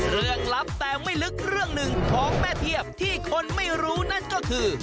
ลับแต่ไม่ลึกเรื่องหนึ่งของแม่เทียบที่คนไม่รู้นั่นก็คือ